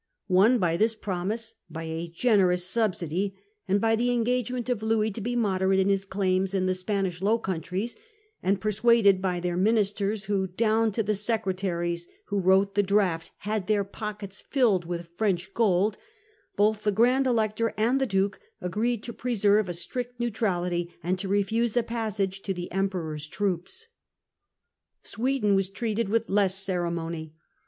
Won by this promise, by a generous subsidy, and by the engagement of Louis to be moderate in his claims in the Spanish Low Countries, and persuaded by their ministers, who, down to the secretaries who wrote the draft, had their pockets filled with French gold, both the Grand Elector and the Duke agreed to preserve a strict neutrality and to refuse a passage to the Emperor's troops. Sweden was treated with less ceremony.